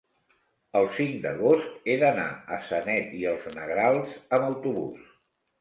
El cinc d'agost he d'anar a Sanet i els Negrals amb autobús.